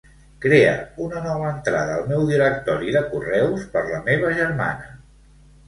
Crea una nova entrada al meu directori de correus per la meva germana.